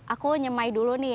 aku nyemai dulu nih